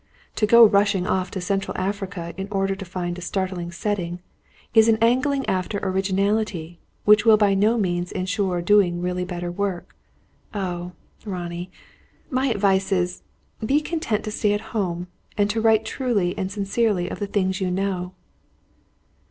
To go rushing off to Central Africa in order to find a startling setting, is an angling after originality, which will by no means ensure doing really better work. Oh, Ronnie, my advice is: be content to stay at home, and to write truly and sincerely of the things you know."